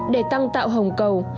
để tăng tạo hồng cầu